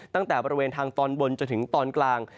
ตั้งแต่บริเวณทางตอนบนจนถึงตอนกลาง